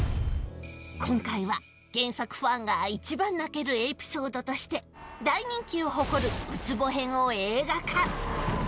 今回は原作ファンが一番泣けるエピソードとして大人気を誇る宇津帆編を映画化